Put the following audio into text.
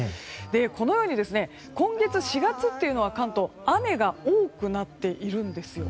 このように今月、４月は関東雨が多くなっているんですよ。